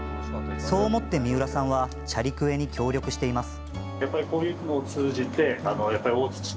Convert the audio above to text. そう思って三浦さんはチャリクエに協力しています。